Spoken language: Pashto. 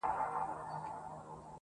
زه چي کله دېوانه سوم فرزانه سوم,